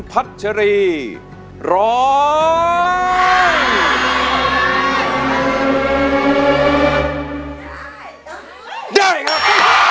อย่าน้อยใจหนัก